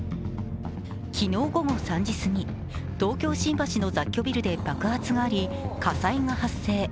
昨日午後３時過ぎ、東京・新橋の雑居ビルで爆発があり火災が発生。